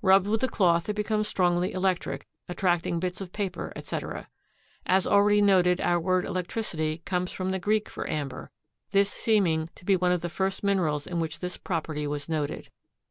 Rubbed with a cloth it becomes strongly electric, attracting bits of paper, etc. As already noted, our word electricity comes from the Greek for amber, this seeming to be one of the first minerals in which this property was noted.